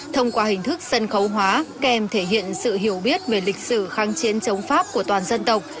thông qua hình thức sân khấu hóa kèm thể hiện sự hiểu biết về lịch sử kháng chiến chống pháp của toàn dân tộc